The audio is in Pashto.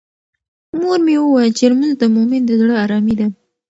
مور مې وویل چې لمونځ د مومن د زړه ارامي ده.